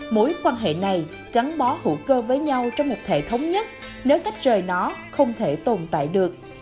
mối quan hệ này gắn bó hữu cơ với nhau trong một hệ thống nhất nếu tách rời nó không thể tồn tại được